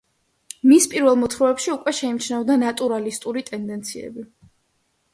მის პირველ მოთხრობებში უკვე შეიმჩნეოდა ნატურალისტური ტენდენციები.